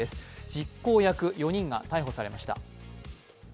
実行役４人が逮捕されました。